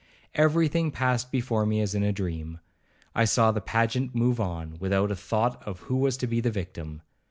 Everything passed before me as in a dream. I saw the pageant move on, without a thought of who was to be the victim.